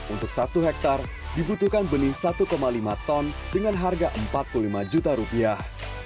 untuk satu hektare dibutuhkan benih satu lima ton dengan harga empat puluh lima juta rupiah